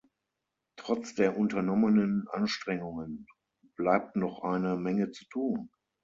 Trotz der unternommenen Anstrengungen bleibt noch eine Menge zu tun.